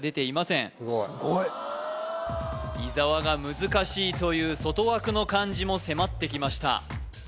すごい伊沢が難しいと言う外枠の漢字も迫ってきました